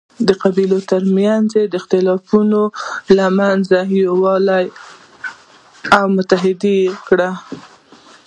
د قبایلو تر منځ یې اختلافونه له منځه یووړل او متحد یې کړل.